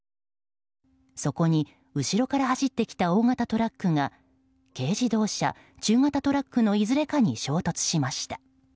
そこに、後ろから走ってきた大型トラックが軽自動車、中型トラックのいずれかに衝突しました。